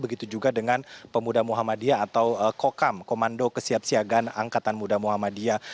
begitu juga dengan pemuda muhammadiyah atau kokam komando kesiapsiagaan angkatan muda muhammadiyah